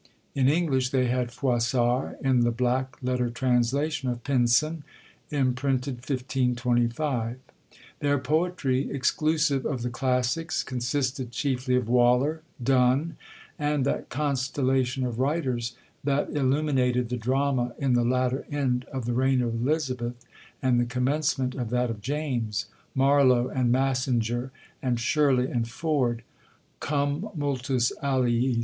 In English, they had Froissart in the black letter translation of Pynson, imprinted 1525. Their poetry, exclusive of the classics, consisted chiefly of Waller, Donne, and that constellation of writers that illuminated the drama in the latter end of the reign of Elizabeth, and the commencement of that of James,—Marlow, and Massinger, and Shirley, and Ford—cum multis aliis.